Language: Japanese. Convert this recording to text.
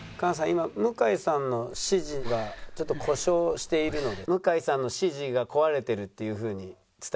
今向井さんの指示がちょっと故障しているので「向井さんの指示が壊れてる」っていうふうに伝えてください。